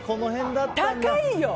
高いよ！